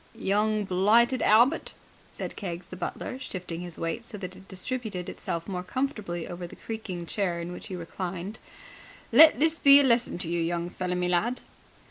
"Young blighted Albert," said Keggs the butler, shifting his weight so that it distributed itself more comfortably over the creaking chair in which he reclined, "let this be a lesson to you, young feller me lad."